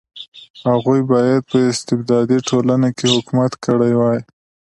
هغوی باید په استبدادي ټولنه کې حکومت کړی وای.